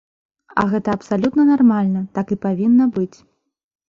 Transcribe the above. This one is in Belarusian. А гэта абсалютна нармальна, так і павінна быць.